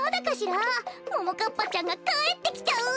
ももかっぱちゃんがかえってきちゃう。